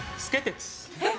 えっ？